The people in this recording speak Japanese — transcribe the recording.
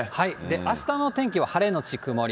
あしたのお天気は晴れ後曇り。